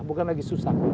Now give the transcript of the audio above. bukan lagi susah